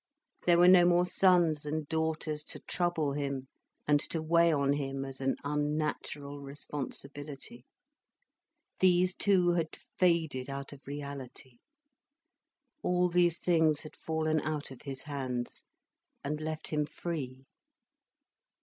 There were no more sons and daughters to trouble him, and to weigh on him as an unnatural responsibility. These too had faded out of reality. All these things had fallen out of his hands, and left him free.